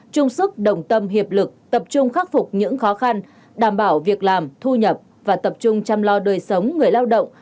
trung sức đồng tâm hiệp lực tập trung khắc phục những khó khăn đảm bảo việc làm thu nhập và tập trung chăm lo đời sống người lao động